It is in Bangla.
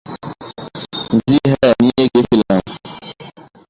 জ্বি হ্যাঁ, নিয়ে গিয়েছিলাম।